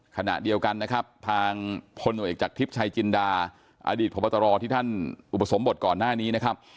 ขณะเดียวกันนะครับทางพลโนเอกจากทิพย์ชัยจินดาอดีตพบตรที่ท่านอุปสมบทก่อนหน้านี้นะครับ